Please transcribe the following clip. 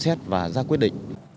xem xét và ra quyết định